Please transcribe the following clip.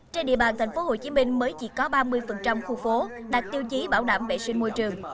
trên địa bàn tp hcm mới chỉ có ba mươi khu phố đạt tiêu chí bảo đảm vệ sinh môi trường